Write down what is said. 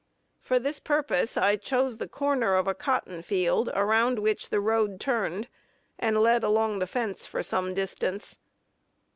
For this purpose I chose the corner of a cotton field, around which the road turned, and led along the fence for some distance.